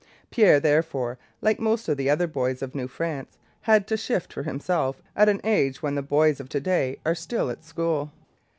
Pierre, therefore, like most of the other boys of New France, had to shift for himself at an age when the boys of to day are still at school.